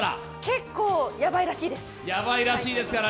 結構ヤバいらしいです。